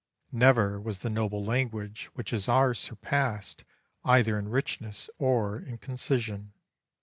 Never was the noble language which is ours surpassed either in richness or in concision.